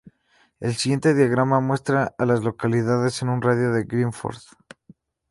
El siguiente diagrama muestra a las localidades en un radio de de Gifford.